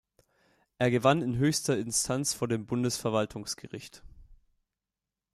Er gewann in höchster Instanz vor dem Bundesverwaltungsgericht.